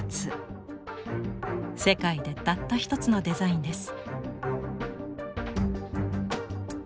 世界でたった一つのデザインです。